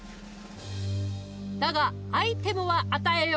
だがアイテムは与えよう。